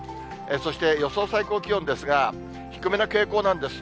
そして予想最高気温ですが、低めな傾向なんです。